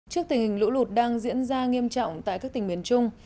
trước tình hình lũ lụt đang diễn ra nghiêm trọng tại các tỉnh miền trung